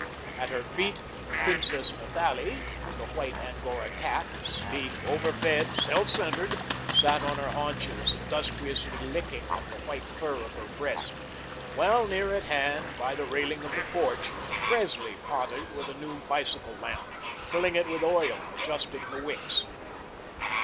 At her feet, Princess Nathalie, the white Angora cat, sleek, over fed, self centred, sat on her haunches, industriously licking at the white fur of her breast, while near at hand, by the railing of the porch, Presley pottered with a new bicycle lamp, filling it with oil, adjusting the wicks.